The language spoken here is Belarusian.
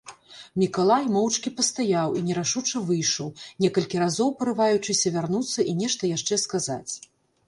Мікалай моўчкі пастаяў і нерашуча выйшаў, некалькі разоў парываючыся вярнуцца і нешта яшчэ сказаць.